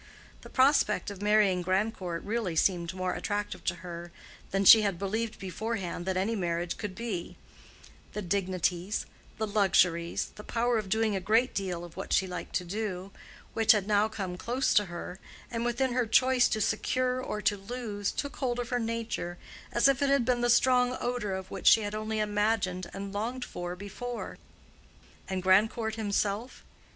The prospect of marrying Grandcourt really seemed more attractive to her than she had believed beforehand that any marriage could be: the dignities, the luxuries, the power of doing a great deal of what she liked to do, which had now come close to her, and within her choice to secure or to lose, took hold of her nature as if it had been the strong odor of what she had only imagined and longed for before. And Grandcourt himself?